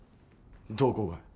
どこが？